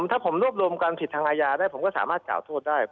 ถ้าผมรวบรวมความผิดทางอาญาได้ผมก็สามารถกล่าวโทษได้